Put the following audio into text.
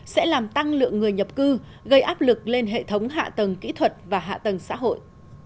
sẽ làm tăng lượng người nhập cư gây áp lực lên hệ thống hạ tầng kỹ thuật và hạ tầng xã hội